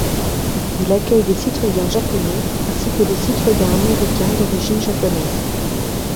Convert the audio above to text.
Il accueillit des citoyens japonais ainsi que des citoyens américains d'origine japonaise.